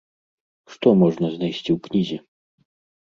Што можна знайсці ў кнізе?